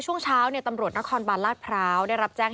ช่วงเช้าในตำรวจกระคารบรรษพร้าวได้รับแจ้ง